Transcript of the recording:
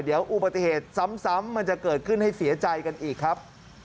เดี๋ยวอุบัติเหตุซ้ำมันจะเกิดขึ้นให้เสียใจกันอีกครับ